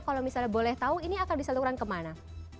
kalau misalnya boleh tahu ini akan disalurkan kemana